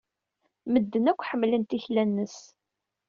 Medden akk ḥemmlen tikla-nnes.